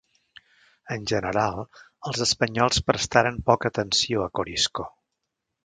En general els espanyols prestaren poca atenció a Corisco.